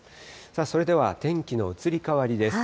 それでは天気の移り変わりです。